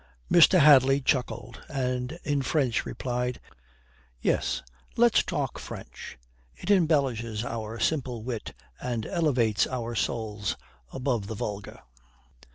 Mr. Hadley chuckled, and in French replied: "Yes, let's talk French; it embellishes our simple wit and elevates our souls above the vulgar."